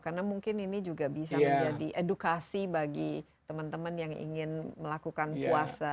karena mungkin ini juga bisa menjadi edukasi bagi teman teman yang ingin melakukan puasa